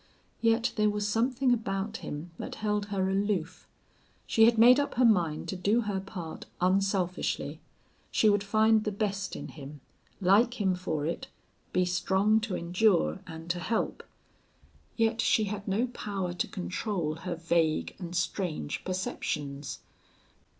Yet there was something about him that held her aloof. She had made up her mind to do her part unselfishly. She would find the best in him, like him for it, be strong to endure and to help. Yet she had no power to control her vague and strange perceptions.